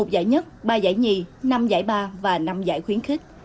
một giải nhất ba giải nhì năm giải ba và năm giải khuyến khích